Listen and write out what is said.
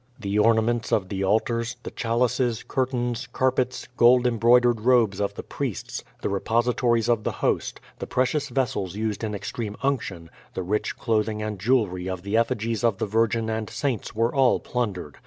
The ornaments of the altars, the chalices, curtains, carpets, gold embroidered robes of the priests, the repositories of the Host, the precious vessels used in extreme unction, the rich clothing and jewelry of the effigies of the Virgin and saints were all plundered.